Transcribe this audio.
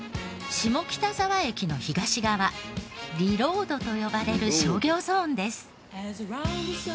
下北沢駅の東側ｒｅｌｏａｄと呼ばれる商業ゾーンです。